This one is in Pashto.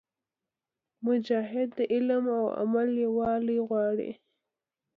مجاهد د علم او عمل یووالی غواړي.